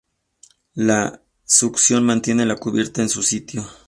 La succión mantiene la cubierta en su sitio.